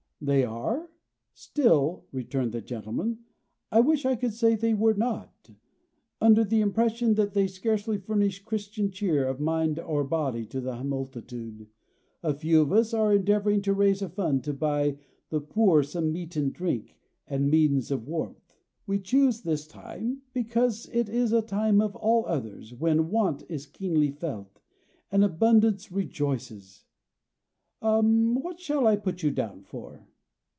"They are. Still," returned the gentleman, "I wish I could say they were not. Under the impression that they scarcely furnish Christian cheer of mind or body to the multitude, a few of us are endeavoring to raise a fund to buy the poor some meat and drink, and means of warmth. We choose this time, because it is a time, of all others, when Want is keenly felt, and Abundance rejoices. What shall I put you down for?"